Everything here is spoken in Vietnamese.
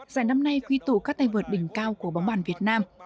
giải năm nay quy tụ các tay vượt đỉnh cao của bóng bàn việt nam